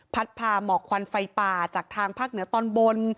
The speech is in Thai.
พาหมอกควันไฟป่าจากทางภาคเหนือตอนบน